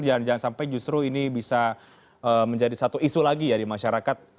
jangan jangan sampai justru ini bisa menjadi satu isu lagi ya di masyarakat